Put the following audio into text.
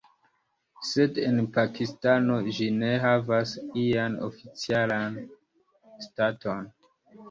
Sed en Pakistano ĝi ne havas ian oficialan staton.